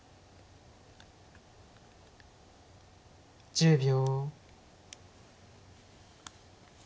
１０秒。